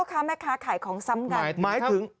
ค้าแม่ค้าขายของซ้ำกันหมายถึง